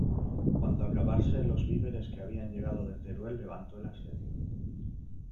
Cuando acabarse los víveres que habían llegado de Teruel, levantó el asedio.